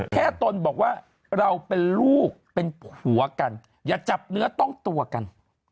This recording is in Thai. ตนบอกว่าเราเป็นลูกเป็นผัวกันอย่าจับเนื้อต้องตัวกัน